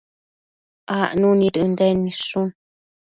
acnu nid Ënden nidshun